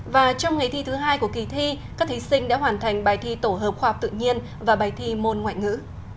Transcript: và trong ngày thi thứ hai của kỳ thi các thí sinh đã hoàn thành bài thi tổ hợp khoa học tự nhiên và bài thi môn ngoại ngữ